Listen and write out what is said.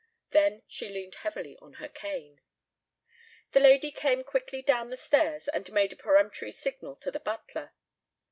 Then she leaned heavily on her cane. The lady came quickly down the stairs and made a peremptory signal to the butler.